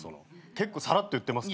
結構さらっと言ってますけど。